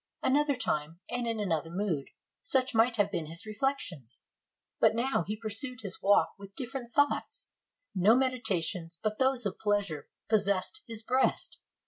Another time, and in another mood, such might have been his reflections; but now he pur sued his walk with different thoughts: no meditations but those of pleasure possessed his breast.